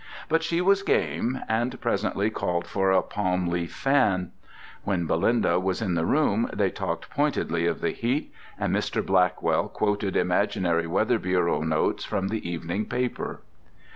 But she was game, and presently called for a palm leaf fan. When Belinda was in the room they talked pointedly of the heat, and Mr. Blackwell quoted imaginary Weather Bureau notes from the evening paper.